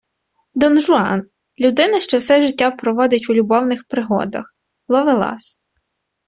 Дон-Жуан - людина, що все життя проводить у любовних пригодах, ловелас